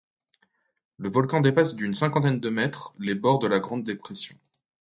Le volcan dépasse d'une cinquantaine de mètres les bords de la grande dépression.